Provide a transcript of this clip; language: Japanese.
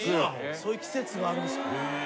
そういう季節があるんすか。